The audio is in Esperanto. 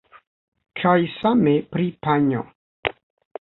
Kaj same pri panjo.